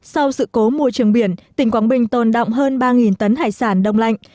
sau sự cố mùa trường biển tỉnh quảng bình tồn đọng hơn ba tấn hải sản đông lạnh